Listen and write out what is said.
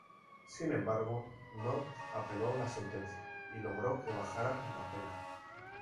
Sin embargo, North apeló la sentencia y logró que bajaran la pena.